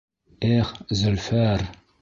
Эх, Зөлфәр!